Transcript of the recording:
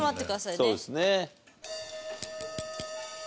そうですね。